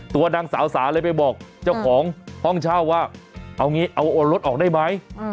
ตัวนางสาวสาเลยไปบอกเจ้าของห้องเช่าว่าเอางี้เอาโอนรถออกได้ไหม